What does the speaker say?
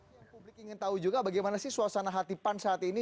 yang publik ingin tahu juga bagaimana sih suasana hati pan saat ini